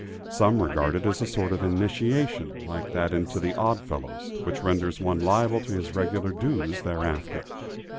Some regard it as a sort of initiation, like that into the Odd Fellows, which renders one liable to his regular dues thereafter.